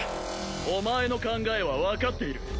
お前の考えは分かっている！